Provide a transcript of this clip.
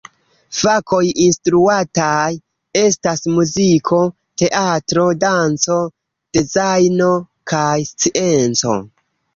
Fakoj instruataj estas muziko, teatro, danco, dezajno kaj scienco.